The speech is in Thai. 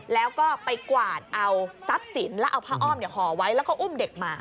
แล้วก็ไปกวาดเอาทรัพย์สินแล้วเอาผ้าอ้อมห่อไว้แล้วก็อุ้มเด็กมา